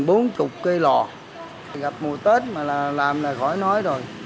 gần bốn mươi cây lò gặp mùa tết mà làm là khỏi nói rồi